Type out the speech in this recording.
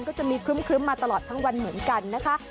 ก็จะมีครึ้มมาตลอดทั้งวันเหมือนกันนะคะ